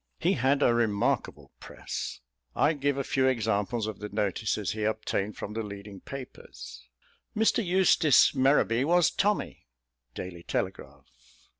He had a remarkable Press. I give a few examples of the notices he obtained from the leading papers: "Mr. Eustace Merrowby was Tommy." _Daily Telegraph.